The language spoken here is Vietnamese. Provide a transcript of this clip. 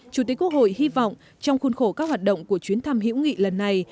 chủ tịch quốc hội hy vọng trong khuôn khổ các hoạt động của chuyến thăm hữu nghị lần này